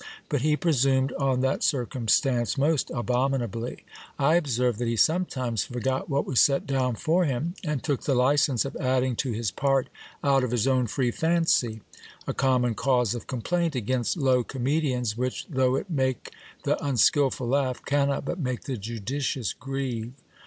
But he presumed on that cir cumstance most abominably. I observed that he sometimes forgot what was set down for him, and took the licence of adding to his part out of his own free fancy ; a common cause of complaint against low comedians, which, though it make the unskilful laugh, cannot but make the judicious grieve.